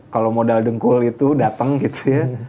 kalau modal dengkul itu datang gitu ya